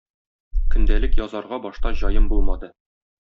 Көндәлек язарга башта җаем булмады.